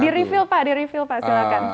di reveal pak di reveal pak silahkan